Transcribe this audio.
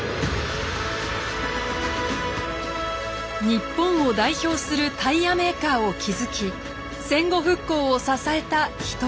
日本を代表するタイヤメーカーを築き戦後復興を支えた一人です。